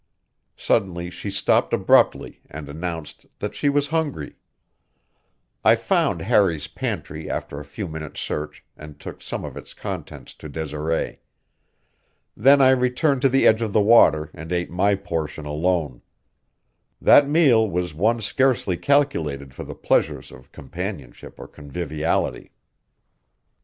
Suddenly she stopped abruptly and announced that she was hungry. I found Harry's pantry after a few minutes' search and took some of its contents to Desiree. Then I returned to the edge of the water and ate my portion alone. That meal was one scarcely calculated for the pleasures of companionship or conviviality.